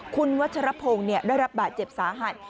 คุณวัชรพงศ์ได้รับบาดเจ็บสาหัส